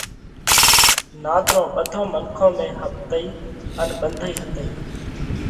نات رون ٻڌون منکون ۾ ۿپتئِي ان ٻنڌئِي هوئہ۔